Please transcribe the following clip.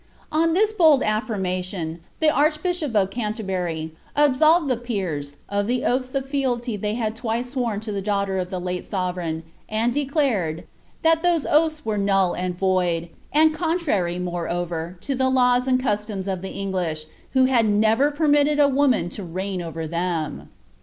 "' On this bold affirmation, the Archbishop of Canterbury absolved the peers of the oatlis of fealty they had twice sworn to the daughter of their late sovereign — and declared ^ that those oaths were null and void, and contrary, moreover, to the laws and customs of the English, who had never permitted a woman to reign over them."